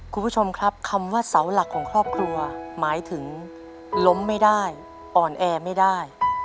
คุณผู้ชมครับคำว่าเสาหลักของครอบครัวหมายถึงล้มไม่ได้อ่อนแอไม่ได้